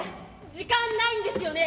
時間ないんですよね。